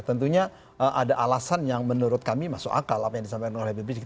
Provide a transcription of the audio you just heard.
tentunya ada alasan yang menurut kami masuk akal apa yang disampaikan oleh habib rizik